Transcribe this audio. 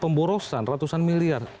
pemborosan ratusan miliar